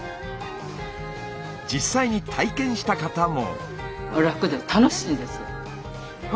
実際に体験した方も。